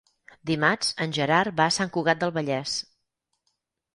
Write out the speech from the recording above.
Dimarts en Gerard va a Sant Cugat del Vallès.